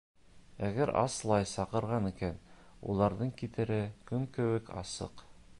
Әгәр Аслай саҡырған икән, уларҙың китере көн кеүек асыҡ!